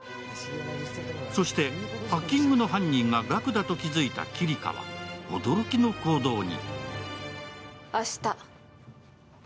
そして、ハッキングの犯人がガクだと気付いたキリカは驚きの行動に。